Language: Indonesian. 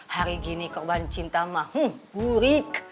hari gini korban cinta mah hurik